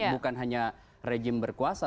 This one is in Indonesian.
bukan hanya regim berkuasa